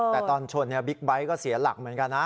แต่ตอนชนบิ๊กไบท์ก็เสียหลักเหมือนกันนะ